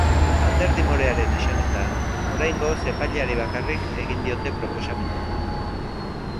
Alderdi morearen esanetan, oraingoz epaileari bakarrik egin diote proposamena.